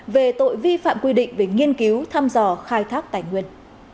về tội vi phạm quy định về nghiên cứu thăm dò khai thác tài nguyên